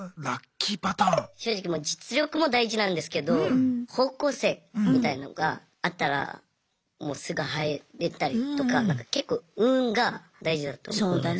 正直実力も大事なんですけど方向性みたいのが合ったらもうすぐ入れたりとか結構運が大事だと思います。